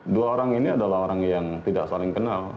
dua orang ini adalah orang yang tidak saling kenal